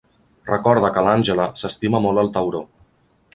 Recorda que l'Angela s'estima molt el tauró.